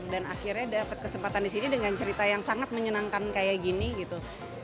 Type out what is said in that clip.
dan akhirnya dapet kesempatan disini dengan cerita yang sangat menyenangkan kayak gini gitu